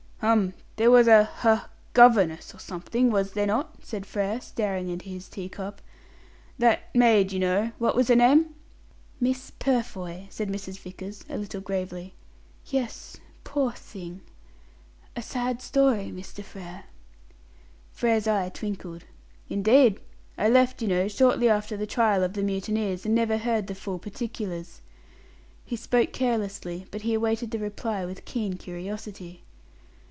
"Hum! There was a ha governess, or something, was there not?" said Frere, staring into his tea cup. "That maid, you know what was her name?" "Miss Purfoy," said Mrs. Vickers, a little gravely. "Yes, poor thing! A sad story, Mr. Frere." Frere's eye twinkled. "Indeed! I left, you know, shortly after the trial of the mutineers, and never heard the full particulars." He spoke carelessly, but he awaited the reply with keen curiosity.